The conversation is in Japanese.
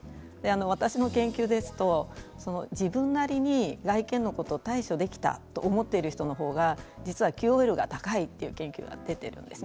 私の研究ですと自分なりに外見のことを対処できたと思っている人の方が実はＱＯＬが高いという研究が出ているんです。